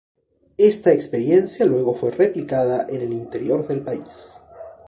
Esta experiencia luego fue replicada en el interior del país.